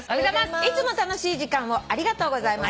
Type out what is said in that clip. いつも楽しい時間をありがとうございます。